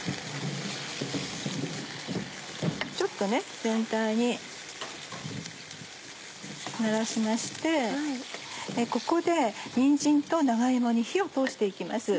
ちょっとね全体にならしましてここでにんじんと長芋に火を通して行きます。